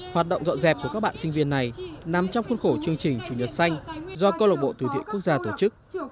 hoạt động dọn dẹp của các bạn sinh viên này nằm trong khuôn khổ chương trình chủ nhật xanh do công lộc bộ thủy thị quốc gia tổ chức